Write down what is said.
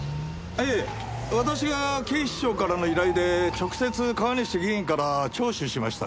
ええ私が警視庁からの依頼で直接川西議員から聴取しましたが。